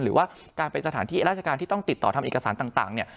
หรือว่าการเป็นสถานที่ราชการที่ต้องติดต่อทำเอกสารต่างเนี่ย